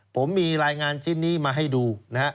ผมมีรายงานชิ้นนี้มาให้ดูนะฮะ